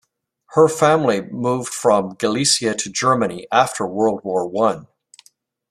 Her family moved from Galicia to Germany after World War One.